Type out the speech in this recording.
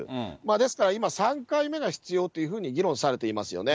ですから今、３回目が必要というふうに議論されていますよね。